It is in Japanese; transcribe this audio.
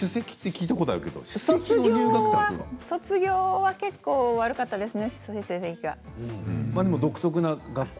卒業は成績が悪かったですね。